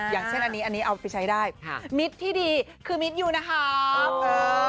อย่างเช่นอันนี้อันนี้เอาไปใช้ได้มิตรที่ดีคือมิตรยูนะครับ